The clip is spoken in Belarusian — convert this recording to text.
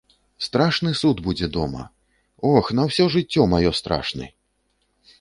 Страшны суд будзе дома, ох, на ўсё жыццё маё страшны!